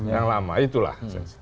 yang lama itulah